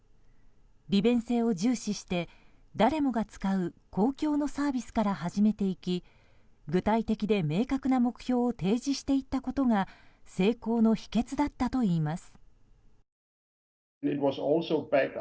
利便性を重視して、誰もが使う公共のサービスから始めていき具体的で明確な目標を提示していったことが成功の秘訣だったといいます。